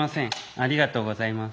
ありがとうございます」。